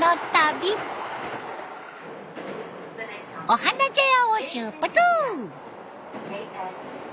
お花茶屋を出発。